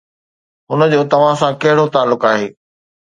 هن جو توهان سان ڪهڙو تعلق آهي؟